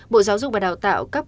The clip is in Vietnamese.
bộ giáo dục và đào tạo cấp bốn